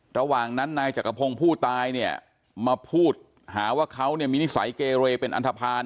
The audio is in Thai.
ระหว่างนั้นนายจักรพงศ์ผู้ตายเนี่ยมาพูดหาว่าเขาเนี่ยมีนิสัยเกเรเป็นอันทภาณ